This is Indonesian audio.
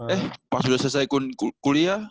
eh pas udah selesaikan kuliah